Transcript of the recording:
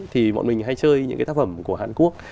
thì bọn mình hay chơi những cái tác phẩm của hàn quốc